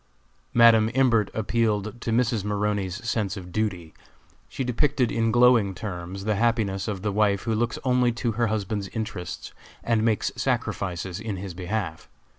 Madam Imbert appealed to Mrs. Maroney's sense of duty. She depicted in glowing terms the happiness of the wife who looks only to her husband's interests, and makes sacrifices in his behalf.